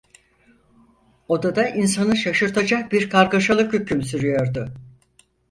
Odada insanı şaşırtacak bir kargaşalık hüküm sürüyordu.